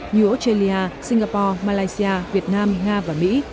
như australia singapore malaysia việt nam nga và mỹ